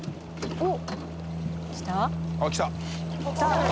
おっ。